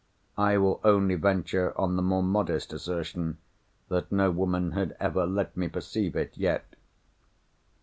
I will only venture on the more modest assertion that no woman had ever let me perceive it yet.